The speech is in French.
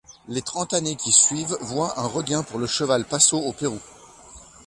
Les trente années qui suivent voient un regain pour le cheval Paso au Pérou.